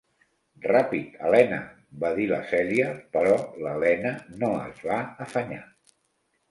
"Ràpid, Helena", va dir la Celia. Però l'Helena no es va afanyar.